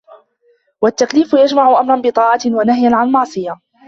وَالتَّكْلِيفُ يَجْمَعُ أَمْرًا بِطَاعَةٍ وَنَهْيًا عَنْ مَعْصِيَةٍ